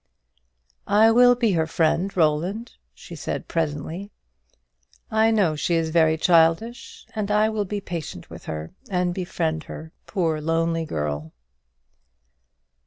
"I will be her friend, Roland," she said, presently. "I know she is very childish; and I will be patient with her and befriend her, poor lonely girl."